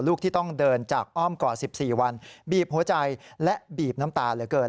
ลูกที่ต้องเดินจากอ้อมกอด๑๔วันบีบหัวใจและบีบน้ำตาเหลือเกิน